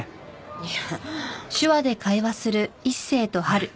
いや。